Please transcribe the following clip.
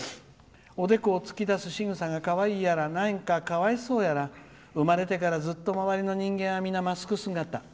「おでこを突き出すしぐさがかわいいやらなんか、かわいそうやら生まれてからずっと周りの人間はマスク姿。